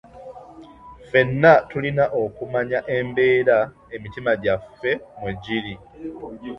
Ffena tulina okumanya embeera emitima gyaffe mwe giri.